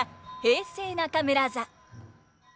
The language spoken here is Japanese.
平成中村座。